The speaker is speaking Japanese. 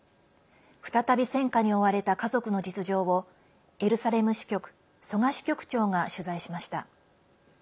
再び戦火に追われた家族の実情をエルサレム支局、曽我支局長が取材しました。